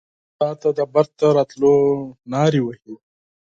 تاته د بیرته راتلو نارې وهې